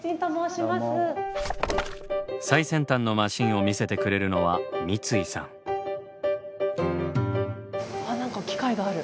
最先端のマシンを見せてくれるのは何か機械がある。